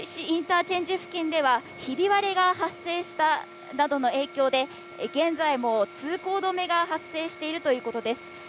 インターチェンジ付近ではひび割れが発生したなどの影響で現在も通行止めが発生しているということです。